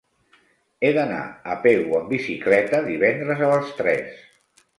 He d'anar a Pego amb bicicleta divendres a les tres.